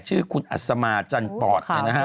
ชื่อคุณอัศมาจันทร์ปอด